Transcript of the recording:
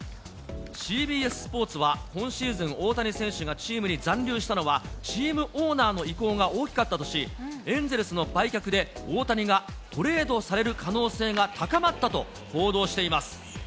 ＣＢＳスポーツは、今シーズン、大谷選手がチームに残留したのは、チームオーナーの意向が大きかったとし、エンゼルスの売却で大谷がトレードされる可能性が高まったと報道しています。